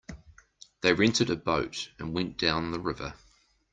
They rented a boat and went down the river.